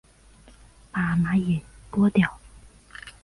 把蚂蚁拨掉